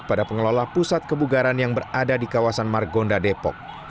pada pengelola pusat kebugaran yang berada di kawasan margonda depok